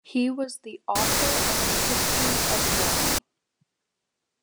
He was the author of a history of Germany.